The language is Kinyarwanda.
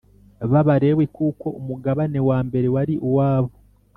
b Abalewi kuko umugabane wa mbere wari uwabo